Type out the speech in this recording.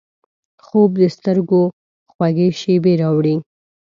خوب د سترګو خوږې شیبې راوړي